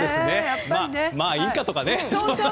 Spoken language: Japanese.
まあいいかとかね。